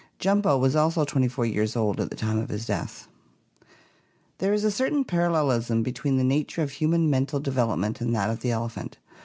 "Jumbo" was also twenty four years old at the time of his death. There is a certain parallelism between the nature of human mental development and that of the elephant.